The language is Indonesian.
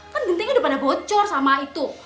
kan gentingnya udah pada bocor sama itu